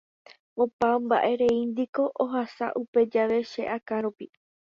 Opa mba'erei niko ohasa upe jave che akã rupi.